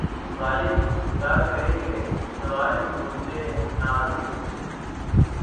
غالبؔ! خدا کرے کہ‘ سوارِ سمندِ ناز